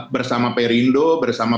bersama perindo bersama pt